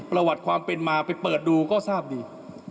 ประวัติความเป็นมาไปเปิดดูก็ทราบดี